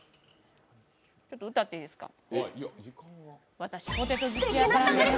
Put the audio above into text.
ちょっと歌っていいですか？